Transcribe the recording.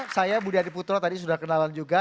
saya budi adiputro tadi sudah kenalan juga